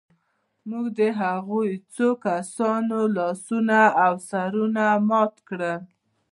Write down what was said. موږ د هغوی د څو کسانو لاسونه او سرونه مات کړل